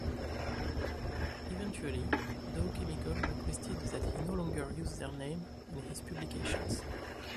Eventually, Dow Chemical requested that he no longer use their name on his publications.